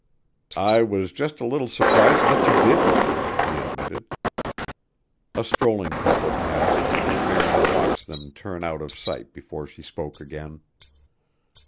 "I was just a little surprised that you didn't," he admitted. A strolling couple passed and Marian watched them turn out of sight before she spoke again.